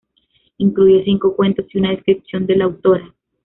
Incluye cinco cuentos y una descripción de la autora.